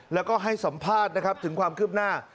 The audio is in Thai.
แล้วก็ให้สัมภาษณ์นะครับถึงความคืบหน้า